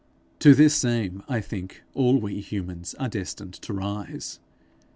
To this same I think all we humans are destined to rise.